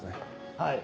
はい。